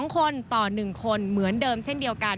๒คนต่อ๑คนเหมือนเดิมเช่นเดียวกัน